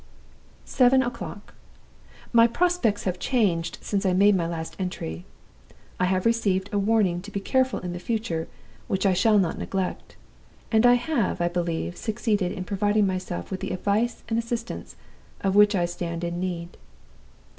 "Seven o'clock. My prospects have changed again since I made my last entry. I have received a warning to be careful in the future which I shall not neglect; and I have (I believe) succeeded in providing myself with the advice and assistance of which I stand in need.